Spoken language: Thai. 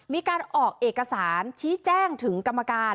มีการออกเอกสารชี้แจ้งถึงกรรมการ